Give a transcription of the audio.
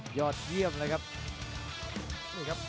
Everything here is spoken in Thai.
หัวจิตหัวใจแก่เกินร้อยครับ